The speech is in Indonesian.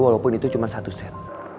walaupun itu cuma satu set